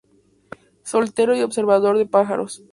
Soltero y observador de pájaros.